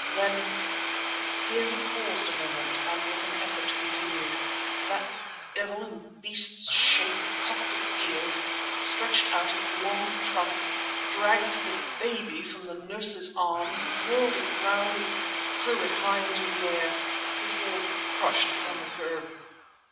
Then"—here he paused a moment and with an effort continued—"that devil in beast's shape cocked its ears, stretched out its long trunk, dragged the baby from the nurse's arms, whirled it round and threw it high into the air, to fall crushed upon the kerb.